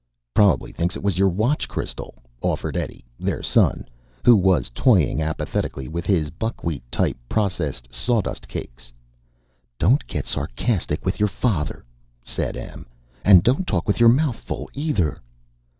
"Probably thinks it was your watch crystal," offered Eddie, their son, who was toying apathetically with his buckwheat type processed sawdust cakes. "Don't get sarcastic with your father," said Em, "and don't talk with your mouth full, either."